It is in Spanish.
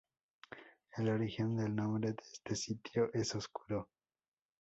El origen del nombre de este sitio es oscuro.